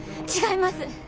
違います。